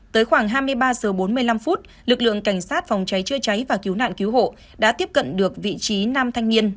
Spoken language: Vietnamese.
tới khoảng hai mươi ba h bốn mươi năm phút lực lượng cảnh sát phòng cháy chữa cháy và cứu nạn cứu hộ đã tiếp cận được vị trí nam thanh niên